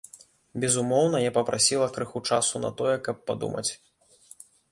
Безумоўна, я папрасіла крыху часу на тое, каб падумаць.